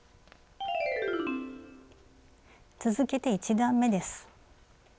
続けて１段めです。